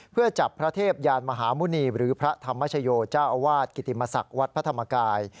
เพื่อจับพระเทพยานมหาหมุณีหรือพระธรรมชโยเจ้าอาวาสกิติมศักดิ์วัดพระธรรมกาย